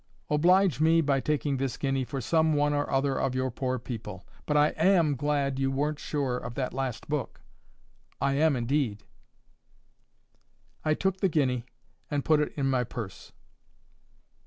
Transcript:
—Oblige me by taking this guinea for some one or other of your poor people. But I AM glad you weren't sure of that last book. I am indeed." I took the guinea, and put it in my purse.